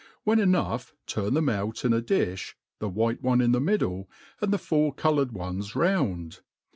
when enough, turn them out in a difli, the white oife in the middle, and the four coloured ones round.